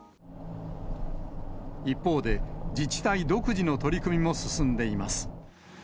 一方で、自治体独自の取り組みも進んでいます。